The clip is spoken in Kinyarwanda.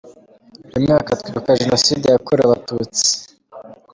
Buri mwaka twibuka Jenoside yakorewe Abatutsi.